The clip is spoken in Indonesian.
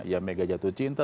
ya mega jatuh cinta